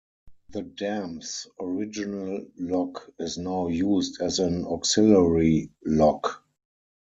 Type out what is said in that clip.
The dam's original lock is now used as an auxiliary lock.